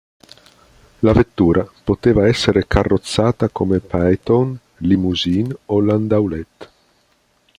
La vettura poteva essere carrozzata come phaeton, limousine o landaulet.